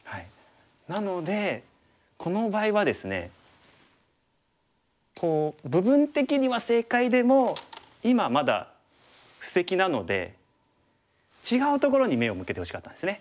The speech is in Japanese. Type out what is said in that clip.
なのでこの場合はですね部分的には正解でも今まだ布石なので違うところに目を向けてほしかったんですね。